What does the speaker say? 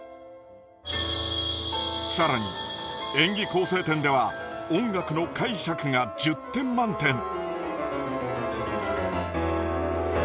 更に演技構成点では音楽の解釈が１０点満点！